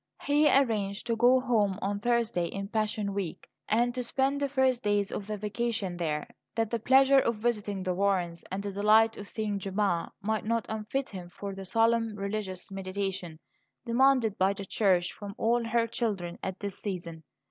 He arranged to go home on Thursday in Passion week, and to spend the first days of the vacation there, that the pleasure of visiting the Warrens and the delight of seeing Gemma might not unfit him for the solemn religious meditation demanded by the Church from all her children at this season.